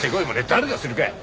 誰がするか。